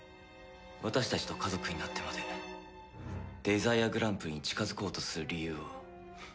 私たちと家族になってまでデザイアグランプリに近づこうとする理由を。